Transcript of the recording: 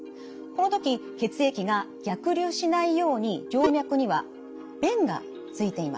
この時血液が逆流しないように静脈には弁がついています。